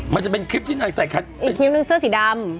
มันจะเป็นคลิปที่นางใส่อีกคลิปนึงเสื้อสีดำ